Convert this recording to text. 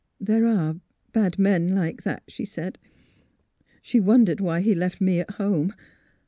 There are — ^bad men like that, she said. She wondered why he left me at home.